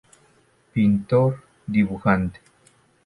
Pintor, dibujante.